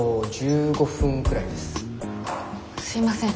すいません。